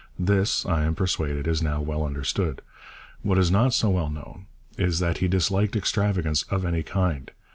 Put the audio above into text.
This, I am persuaded, is now well understood. What is not so well known is that he disliked extravagance of any kind.